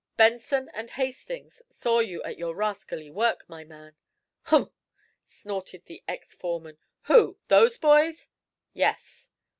"Benson and Hastings saw you at your rascally work, my man." "Humph!" snorted the ex foreman. "Who? Those boys?" "Yes."